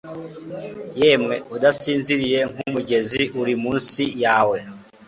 Yemwe udasinziriye nk'umugezi uri munsi yawe,